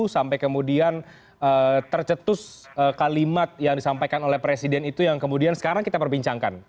sampai kemudian tercetus kalimat yang disampaikan oleh presiden itu yang kemudian sekarang kita perbincangkan